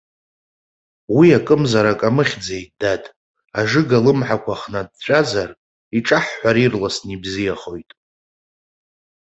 Уи акымзарак амыхьӡеит, дад, ажыга алымҳақәа хнаҵәҵәазар, иҿаҳҳәар ирласны ибзиахоит.